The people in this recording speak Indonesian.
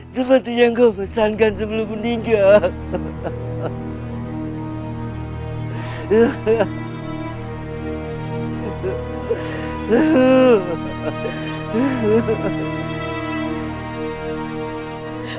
seperti yang gue pesankan sebelum meninggal